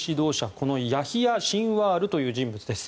このヤヒヤ・シンワールという人物です。